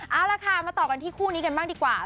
เอาล่ะค่ะมาต่อกันที่คู่นี้กันบ้างดีกว่า